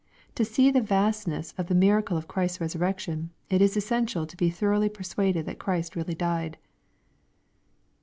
To see the vastnesa of the miracle of Christ's resurrection, it is essential to be thor oughly persuaded that Christ really died.